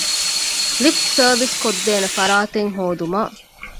ލިފްޓް ސާރވިސްކޮށްދޭނެ ފަރާތެއް ހޯދުމަށް